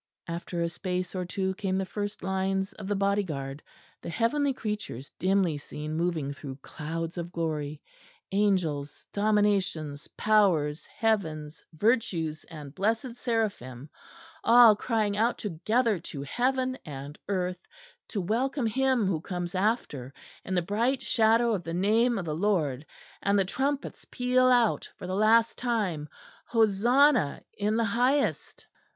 After a space or two came the first lines of the bodyguard, the heavenly creatures dimly seen moving through clouds of glory, Angels, Dominations, Powers, Heavens, Virtues, and blessed Seraphim, all crying out together to heaven and earth to welcome Him Who comes after in the bright shadow of the Name of the Lord; and the trumpets peal out for the last time, "Hosanna in the highest."